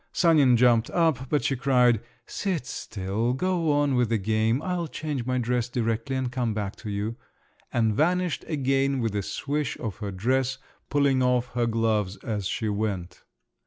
Sanin jumped up, but she cried, "Sit still; go on with the game. I'll change my dress directly and come back to you," and vanished again with a swish of her dress, pulling off her gloves as she went.